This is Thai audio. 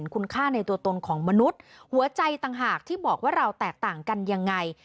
คุณค่าในตัวตนของมนุษย์หัวใจต่างหากที่บอกว่าเราแตกต่างกันยังไง